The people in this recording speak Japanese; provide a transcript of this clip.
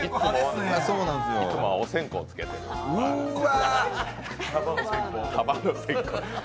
いつもはお線香つけてるんです。